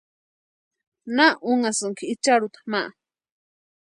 ¿Na únhasïnki icharhuta ma?